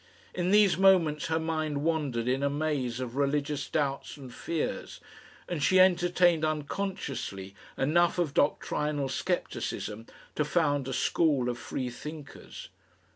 In these moments her mind wandered in a maze of religious doubts and fears, and she entertained, unconsciously, enough of doctrinal scepticism to found a school of freethinkers.